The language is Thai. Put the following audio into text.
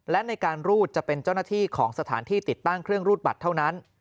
และในการรูดจะเป็นเจ้าหน้าที่ของสถานที่ติดตั้งเครื่องรูดบัตรเท่านั้น